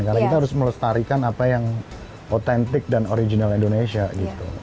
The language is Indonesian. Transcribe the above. karena kita harus melestarikan apa yang authentic dan original indonesia gitu